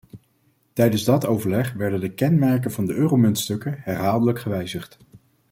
Tijdens dat overleg werden de kenmerken van de euromuntstukken herhaaldelijk gewijzigd.